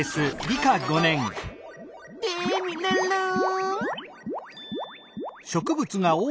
テミルンルン！